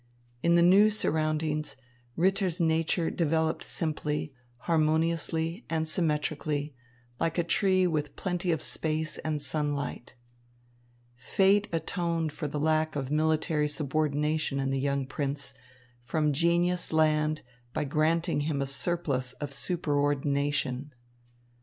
In the new surroundings, Ritter's nature developed simply, harmoniously and symmetrically, like a tree with plenty of space and sunlight. Fate atoned for the lack of military subordination in the young prince from genius land by granting him a surplus of superordination.